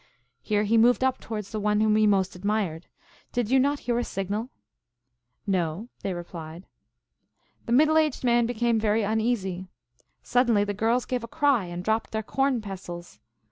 " here he moved up towards the one whom he most admired, " did you not hear a signal ?"" No," they replied. The middle aged man became very uneasy. Sud denly the girls gave a cry, and dropped their corn pssiles.